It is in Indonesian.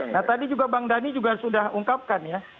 nah tadi juga bang dhani juga sudah ungkapkan ya